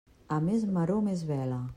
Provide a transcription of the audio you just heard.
A més maror, més vela.